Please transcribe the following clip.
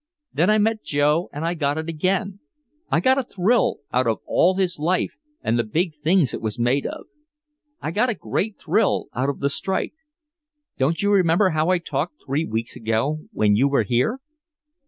Then I met Joe and I got it again, I got a thrill out of all his life and the big things it was made of. I got a great thrill out of the strike. Don't you remember how I talked three weeks ago when you were here?